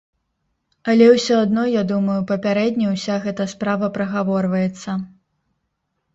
Але ўсё адно, я думаю, папярэдне ўся гэта справа прагаворваецца.